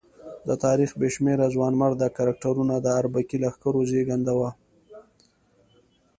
د تاریخ بې شمېره ځوانمراده کرکټرونه د اربکي لښکرو زېږنده وو.